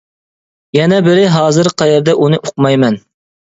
يەنە بىرى ھازىر قەيەردە ئۇنى ئۇقمايمەن.